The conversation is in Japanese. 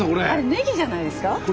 あれねぎじゃないですか？